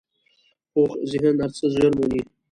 پوخ ذهن هر څه ژر نه منې